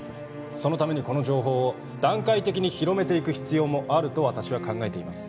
そのためにこの情報を段階的に広めていく必要もあると私は考えています